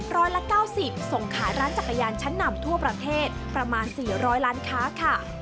ร้อยละ๙๐ส่งขายร้านจักรยานชั้นนำทั่วประเทศประมาณ๔๐๐ล้านค้าค่ะ